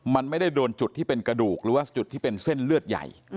มันไม่ได้โดนจุดที่เป็นกระดูกหรือว่าจุดที่เป็นเส้นเลือดใหญ่